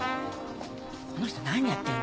この人何やってんの？